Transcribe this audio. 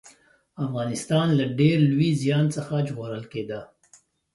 افغانستان له ډېر لوی زيان څخه ژغورل کېده